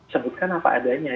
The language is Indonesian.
sebutkan apa adanya